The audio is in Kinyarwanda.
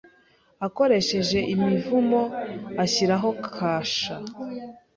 akoresheje imivumo ashyiraho kasha